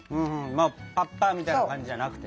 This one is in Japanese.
パッパみたいな感じじゃなくてね。